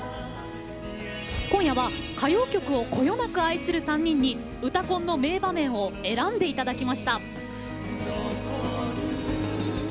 今夜は歌謡曲をこよなく愛する３人に「うたコン」の名場面を選んで頂きました。